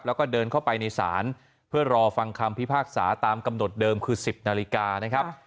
แล้วก็เดินเข้าไปในศาลเพื่อรอฟังคำพิพากษาตามกำหนดเดิมคือ๑๐นาฬิกานะครับ